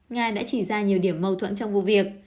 nga đã chỉ ra nhiều điểm mâu thuẫn trong vụ việc